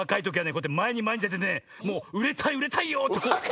こうやってまえにまえにでてねもううれたいうれたいよってこう。